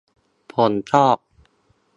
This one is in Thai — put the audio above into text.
ผมชอบ